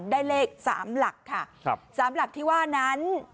ได้เลขสามหลักค่ะครับสามหลักที่ว่านั้น